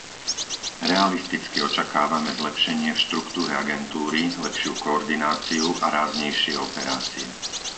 Realisticky očakávame zlepšenie v štruktúre agentúry, lepšiu koordináciu a ráznejšie operácie.